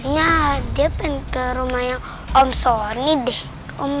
ya dia pengen ke rumahnya om sony deh